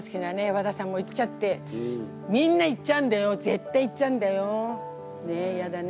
和田さんも行っちゃってみんな行っちゃうんだよ絶対行っちゃうんだよねえやだね。